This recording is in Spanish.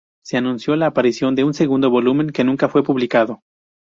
Se anunció la aparición de un segundo volumen que nunca fue publicado.